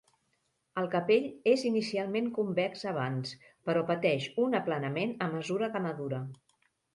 El capell és inicialment convex abans, però pateix un aplanament a mesura que madura.